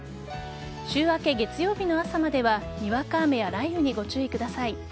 週明け月曜日の朝まではにわか雨や雷雨にご注意ください。